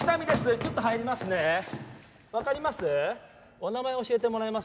ちょっと入りますね分かります？